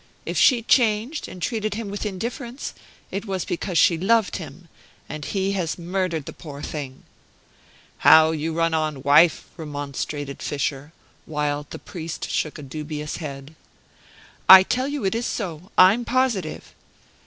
If she changed, and treated him with indifference, it was because she loved him; and he has murdered the poor thing." "How you run on, wife!" remonstrated Fischer; while the priest shook a dubious head. "I tell you it is so. I'm positive."